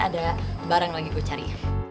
ada barang lagi gue cari